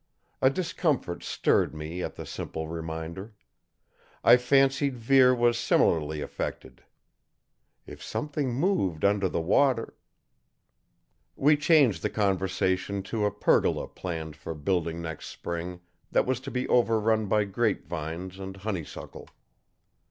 A discomfort stirred me at the simple reminder. I fancied Vere was similarly affected. If something moved under the water ? We changed the conversation to a pergola planned for building next spring, that was to be overrun by grapevines and honeysuckle.